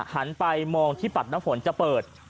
หันไปมองที่ปัดน้ำฝนจะเปิด